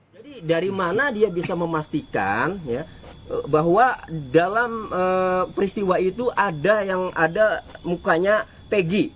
jadi dari mana dia bisa memastikan bahwa dalam peristiwa itu ada yang ada mukanya peggy